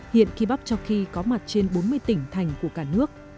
hiện kibak toki có mặt trên bốn mươi tỉnh thành của cả nước